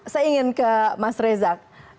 saya ingin ke mas reza